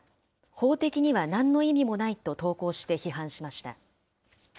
法的にはなんの意味もないと投稿して批判しました。